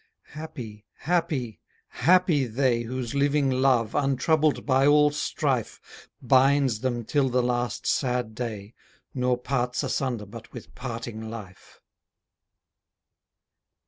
Happy, happy, happy they Whose living love, untroubled by all strife, Binds them till the last sad day, Nor parts asunder but with parting life!